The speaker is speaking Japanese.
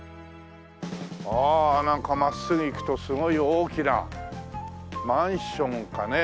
ああなんか真っすぐ行くとすごい大きなマンションかね？